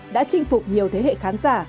đã chinh phục nhiều thế hệ khán giả